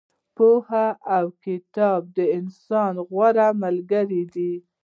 پوهه او کتاب د انسان غوره ملګري دي.